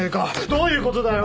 どういう事だよ？